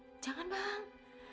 tsss jangan bang